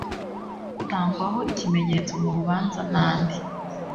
atangwaho ikimenyetso mu rubanza n andi